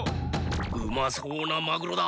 うまそうなマグロだ！